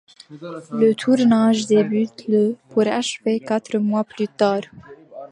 Le tournage débute le pour achever quatre mois plus tard.